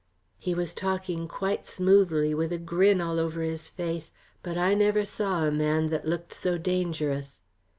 He was talking quite smoothly, with a grin all over his face, but I never saw a man that looked so dangerous.